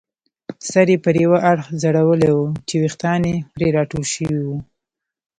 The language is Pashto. سر یې پر یوه اړخ ځړولی وو چې ویښتان یې پرې راټول شوي وو.